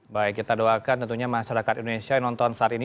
baik kita doakan tentunya masyarakat indonesia yang nonton saat ini